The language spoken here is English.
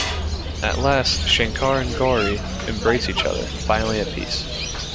At last, Shankar and Gauri embrace each other, finally at peace.